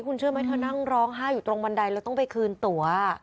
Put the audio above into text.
คุณเชื่อไหมเธอนั่งร้องไห้อยู่ตรงบันไดแล้วต้องไปคืนตัว